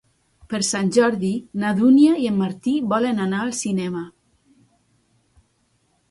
Per Sant Jordi na Dúnia i en Martí volen anar al cinema.